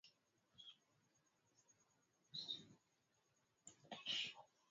hii hali inatishia amani kabisa katika maisha yetu ya